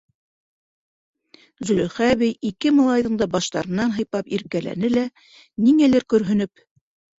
Зөләйха әбей ике малайҙың да баштарынан һыйпап иркәләне лә, ниңәлер көрһөнөп: